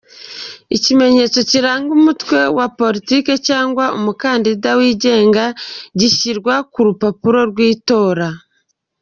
Ikimenyetso kiranga umutwe wa politiki cyangwa umukandida wigenga gishyirwa ku rupapuro rw’itora;.